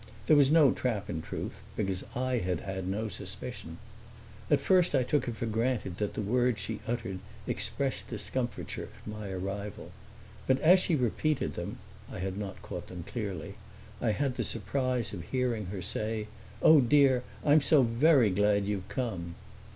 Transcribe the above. There was no trap, in truth, because I had had no suspicion. At first I took for granted that the words she uttered expressed discomfiture at my arrival; but as she repeated them I had not caught them clearly I had the surprise of hearing her say, "Oh, dear, I'm so very glad you've come!"